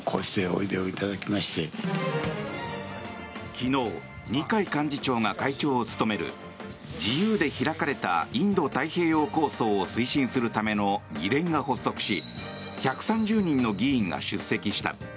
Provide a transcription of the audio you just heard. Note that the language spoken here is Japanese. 昨日、二階幹事長が会長を務める自由で開かれたインド太平洋構想を推進するための議連が発足し１３０人の議員が出席した。